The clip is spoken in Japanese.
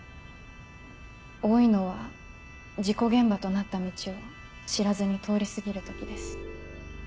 多いのは事故現場となった道を知らずに通り過ぎる時です。